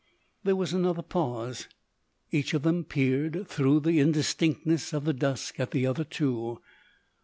There was another pause. Each of them peered through the indistinctness of the dusk at the other two.